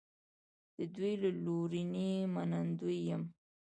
د دوی له لورینې منندوی یم.